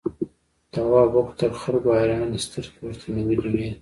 تواب وکتل خلکو حیرانې سترګې ورته نیولې وې.